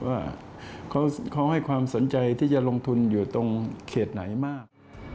ว่าเขาให้ความสนใจที่จะลงทุนอยู่ตรงเขตไหนมาก